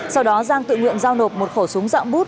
sau đó giang tự nguyện giao nộp một khẩu súng dạng bút